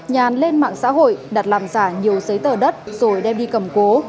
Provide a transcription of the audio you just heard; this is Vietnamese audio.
nhàn lên mạng xã hội đặt làm giả nhiều giấy tờ đất rồi đem đi cầm cố